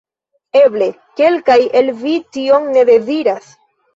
Eble, kelkaj el vi tion ne deziras?